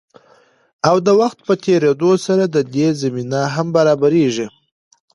او د وخت په تېريدو سره د دې زمينه هم برابريږي.